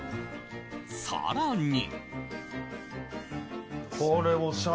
更に。